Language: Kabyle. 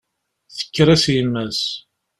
Tekker-as yemma-s.